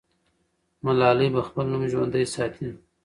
ملالۍ به خپل نوم ژوندی ساتي.